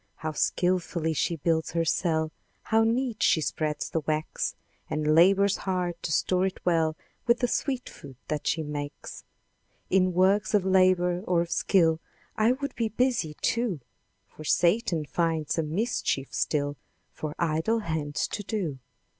How skilfully she builds her cell! How neat she spreads the wax! And labours hard to store it well With the sweet food she makes. In works of labour or of skill, I would be busy, too; For Satan finds some mischief still For idle hands to do.